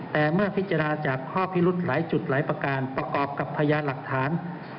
แต่เมื่อพิจารณาจากข้อพิรุธหลายจุดหลายประการประกอบกับพยานหลักฐาน